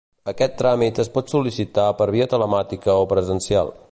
Aquest tràmit es pot sol·licitar per via telemàtica o presencial.